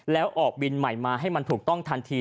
แล้วออกบินใหม่มาให้มันถูกต้องทันที